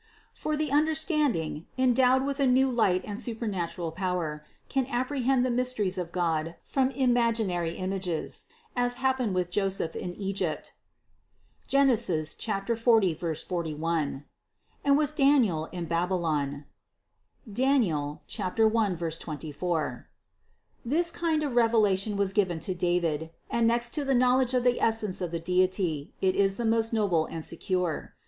For the understanding, endowed with a new light and a supernatural power, can apprehend the mys teries of God from imaginary images, as happened with Joseph in Egypt (Gen. 40, 41), and with Daniel in Baby lon (Dan. 1, 24). This kind of revelation was given to David; and next to the knowledge of the Essence of the Deity, it is the most noble and secure.